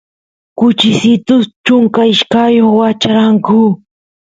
kuchisitus chunka ishkayoq wacharanku